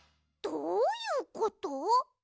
どういうこと？